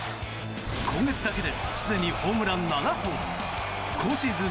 今月だけですでにホームラン７本今シーズン